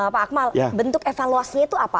pak akmal bentuk evaluasinya itu apa